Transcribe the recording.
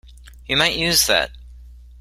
You might use that.